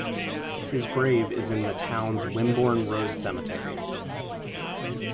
His grave is in the town's Wimborne Road Cemetery.